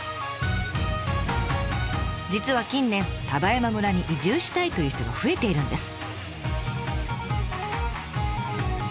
実は近年丹波山村に移住したいという人が増えているんです。